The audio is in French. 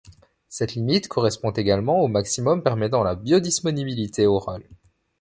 Cette limite correspond également au maximum permettant la biodisponibilité orale.